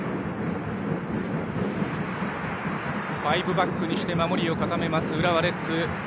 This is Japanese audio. ファイブバックにして守りを固めます浦和レッズ。